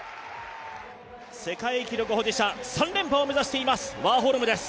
世界記録保持者、３連覇を目指していますワーホルムです。